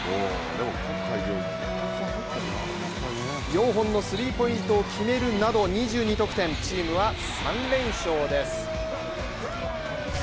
４本のスリーポイントを決めるなど２２得点、チームは３連勝です。